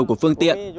của phương tiện